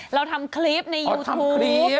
เราทำคลิปในยูทูป